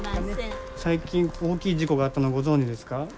最近大きい事故があったのご存じですか？